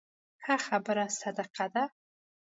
ښه خبره صدقه ده